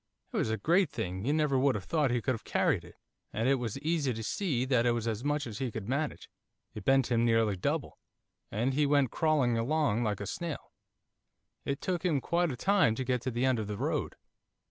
It was a great thing, you never would have thought he could have carried it, and it was easy to see that it was as much as he could manage; it bent him nearly double, and he went crawling along like a snail, it took him quite a time to get to the end of the road.